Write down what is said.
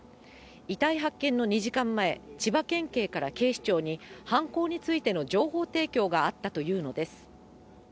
遺体発見の２時間前、千葉県警から警視庁に、犯行についての情報提供があったというのです。